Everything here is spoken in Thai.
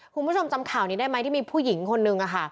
คุณผู้ชมจำข่าวนี้ได้ไหมที่มีผู้หญิงคนนึง